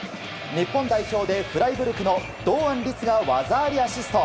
日本代表でフライブルクの堂安律が技ありアシスト。